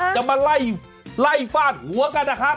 จะมาไล่ฟาดหัวกันนะครับ